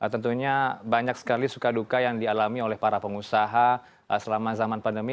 tentunya banyak sekali suka duka yang dialami oleh para pengusaha selama zaman pandemi